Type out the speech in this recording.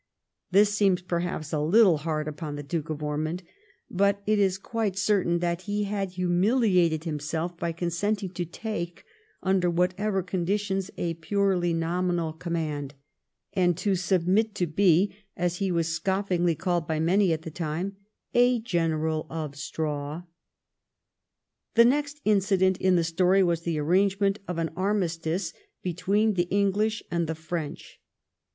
This seems, perhaps, a little hard upon the Duke of Ormond, but it is quite certain that he had humiliated himself by consenting to te^ke^ under whatever conditions, 1712 THE ENGLISH SOLDIERS WITHDRAWN. 53 a purely nominal command, and to submit to be, as he was scoffingly called by many at tlie time, ' a general of straw.' The next incident in the story was the arrange ment of an armistice between the English and the French.